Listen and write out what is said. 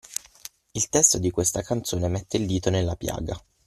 Il testo di questa canzone mette il dito nella piaga